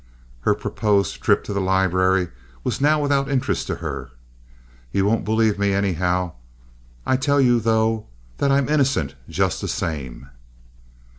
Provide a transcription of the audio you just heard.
Her proposed trip to the library was now without interest to her. "You won't believe me, anyhow. I tell you, though, that I'm innocent just the same."